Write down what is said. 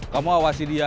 kamu awasi dia